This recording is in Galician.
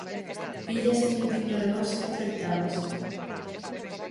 Villas tiña un timbre de voz catro oitavas.